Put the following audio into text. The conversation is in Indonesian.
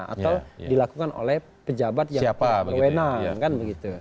atau dilakukan oleh pejabat yang berwenang